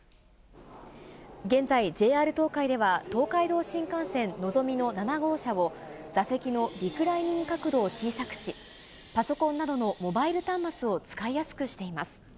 現在、ＪＲ東海では、東海道新幹線のぞみの７号車を、座席のリクライニング角度を小さくし、パソコンなどのモバイル端末を使いやすくしています。